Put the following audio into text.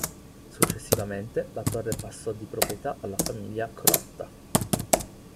Successivamente la torre passò di proprietà alla famiglia Crotta.